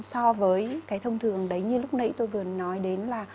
so với cái thông thường đấy như lúc nãy tôi vừa nói đến là